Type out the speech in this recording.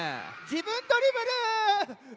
じぶんドリブル！